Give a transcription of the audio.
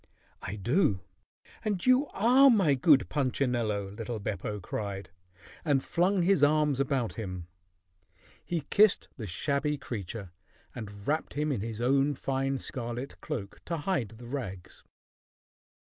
"I do, and you are my good Punchinello!" little Beppo cried, and flung his arms about him. He kissed the shabby creature and wrapped him in his own fine scarlet cloak to hide the rags.